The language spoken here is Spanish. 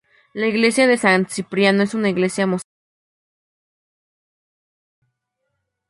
La iglesia de San Cipriano es una iglesia mozárabe de gran tamaño.